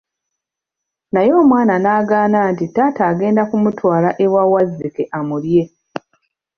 Naye omwana nagaana nti taata agenda kumutwala ewa Wazzike amulye.